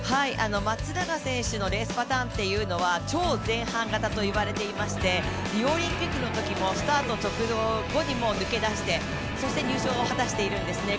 松永選手のレースパターンっていうのは超前半型といわれていましてリオオリンピックのときにもスタート直後にも抜け出してそして入賞を果たしてるんですね